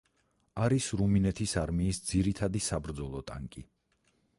არის რუმინეთის არმიის ძირითადი საბრძოლო ტანკი.